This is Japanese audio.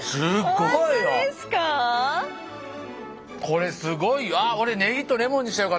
これすごいよ。